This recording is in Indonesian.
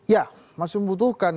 ya masih membutuhkan